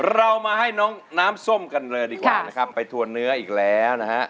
เรามาให้น้องน้ำส้มกันเลยดีกว่านะครับไปทัวร์เนื้ออีกแล้วนะฮะ